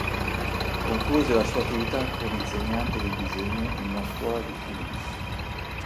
Concluse la sua attività come insegnante di disegno in una scuola di Phoenix.